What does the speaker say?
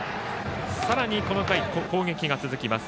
さらにこの回、攻撃が続きます。